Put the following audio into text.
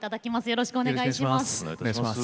よろしくお願いします。